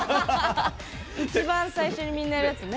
一番最初にみんなやるやつね。